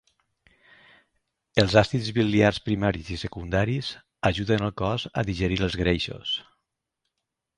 Els àcids biliars primaris i secundaris ajuden al cos a digerir els greixos.